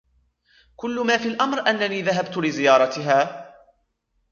كل ما في الأمر أنني ذهبت لزيارتها.